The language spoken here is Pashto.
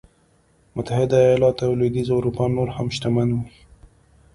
متحده ایالت او لوېدیځه اروپا نور هم شتمن وي.